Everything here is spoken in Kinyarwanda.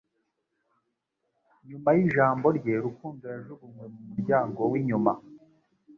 Nyuma yijambo rye, Rukundo yajugunywe mu muryango winyuma